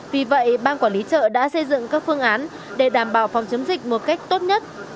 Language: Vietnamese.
vì vậy ban quản lý chợ đã xây dựng các phương án để đảm bảo phòng chống dịch một cách tốt nhất